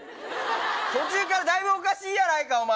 途中からだいぶおかしいやないかお前！